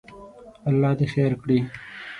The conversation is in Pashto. الله دې خیر کړي.